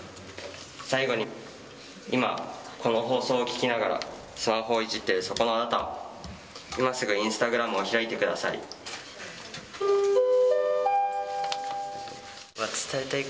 最後に、今、この放送を聞きながら、スマホをいじってるそこのあなた、今すぐ、インスタグラムを開いてください。